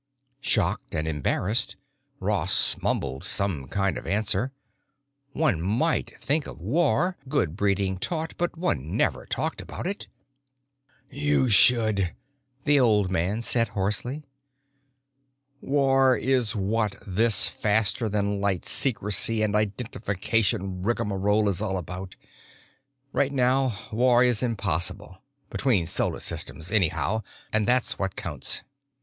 Shocked and embarrassed, Ross mumbled some kind of answer. One might think of war, good breeding taught, but one never talked about it. "You should," the old man said hoarsely. "War is what this faster than light secrecy and identification rigmarole is all about. Right now war is impossible—between solar systems, anyhow, and that's what counts.